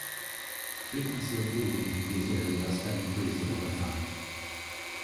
Frequency of flooding in these areas have increased over time.